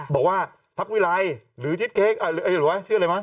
บอกว่าพรรควีไรหรือชิสเค้กหรือว่าชื่ออะไรมั้ย